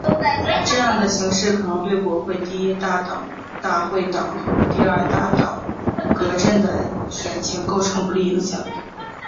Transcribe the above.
这样的形势可能对国会第一大党大会党和第二大党革阵的选情构成不利影响。